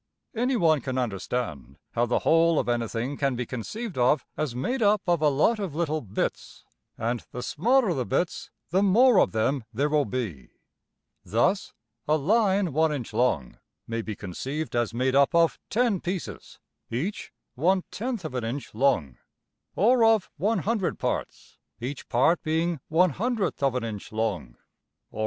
Any one can understand how the whole of anything can be conceived of as made up of a lot of little bits; and the smaller the bits the more of them there will be. Thus, a line one inch long may be conceived as made up of $10$~pieces, each $\frac$~of an inch long; or of $100$~parts, each part being $\frac$~of an inch long; \DPPageSep{195.